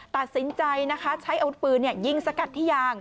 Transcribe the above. ตัดสินใจนะคะใช้อาวุธปืนยิงสกัดที่ยาง